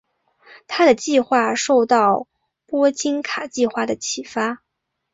他的计划受到波金卡计划的启发。